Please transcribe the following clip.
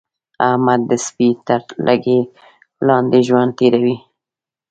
احمد د سپي تر لګۍ لاندې ژوند تېروي.